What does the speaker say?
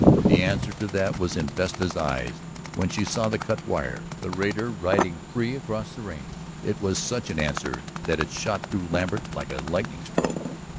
The answer to that was in Vesta's eyes when she saw the cut wire, the raider riding free across the range. It was such an answer that it shot through Lambert like a lightning stroke.